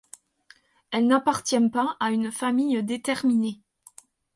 Elle n'appartient pas à une famille déterminée.